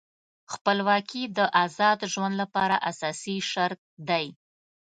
خپلواکي د آزاد ژوند لپاره اساسي شرط دی.